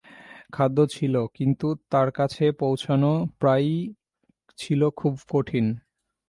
খাদ্য ছিল কিন্তু তার কাছে পৌঁছানো প্রায়ই ছিল খুব কঠিন।